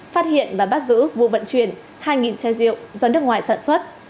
phát hiện và bắt giữ vô vận chuyển hai che rượu do nước ngoài sản xuất